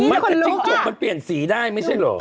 อื้อเจ๊จิ้งจกมันเปลี่ยนสีได้ไม่ใช่หรอก